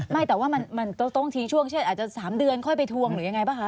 ไม่แต่ว่ามันต้องทิ้งช่วงเช่นอาจจะ๓เดือนค่อยไปทวงหรือยังไงป่ะคะ